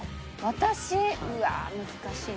私うわあ難しいな。